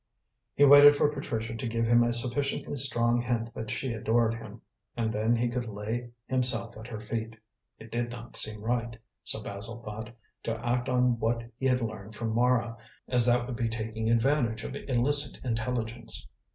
He waited for Patricia to give him a sufficiently strong hint that she adored him, and then he could lay himself at her feet. It did not seem right, so Basil thought, to act on what he had learned from Mara, as that would be taking advantage of illicit intelligence.